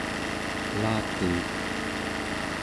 pelatuuk